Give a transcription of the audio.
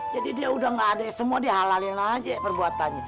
jadi dia udah gak ada yang semua dihalalin aja perbuatannya